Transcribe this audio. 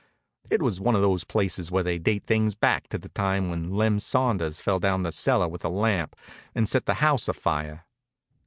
It was one of those places where they date things back to the time when Lem Saunders fell down cellar with a lamp and set the house afire.